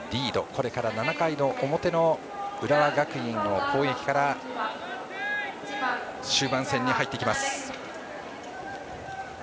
これから７回の表の浦和学院の攻撃から終盤戦に入っていきます。